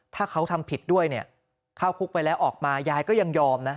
ถ้าเขาทำผิดด้วยเนี่ยเข้าคุกไปแล้วออกมายายก็ยังยอมนะ